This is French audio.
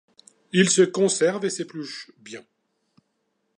Il se conserve et s'épluche bien.